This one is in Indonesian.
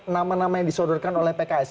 di luar nama nama yang disodorkan oleh pks